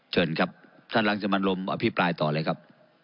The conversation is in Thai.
เชิญครับท่านรังสิมันรมอภิปรายต่อเลยครับ